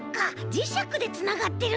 じしゃくでつながってるんだ！